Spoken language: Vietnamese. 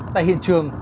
tại hiện trường